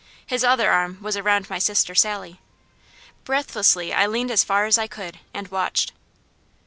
His other arm was around my sister Sally. Breathlessly I leaned as far as I could, and watched.